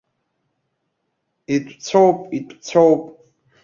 Итәцәоуп, итәцәоуп.